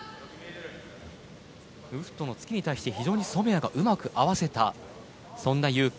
ウフトの突きに対して非常に染谷がうまく合わせたそんな有効。